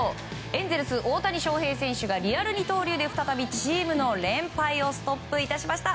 エンゼルス、大谷翔平選手がリアル二刀流で再びチームの連敗をストップ致しました。